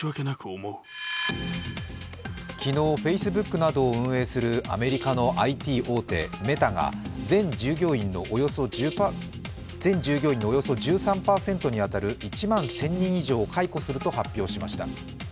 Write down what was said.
昨日、Ｆａｃｅｂｏｏｋなどを運営するアメリカのＩＴ大手・メタが全従業員のおよそ１３％に当たる１万１０００人以上を解雇すると発表しました。